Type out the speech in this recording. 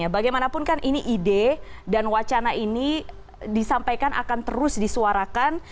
bagaimanapun kan ini ide dan wacana ini disampaikan akan terus disuarakan